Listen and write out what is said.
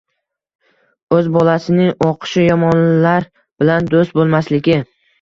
O'z bolasining o'qishi, yomonlar bilan do'st bo'lmasligi